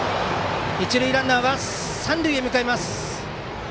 一塁ランナー、三塁へ向かいます。